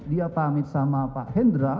dia pamit sama pak hendra